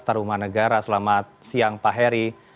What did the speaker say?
taruman negara selamat siang pak heri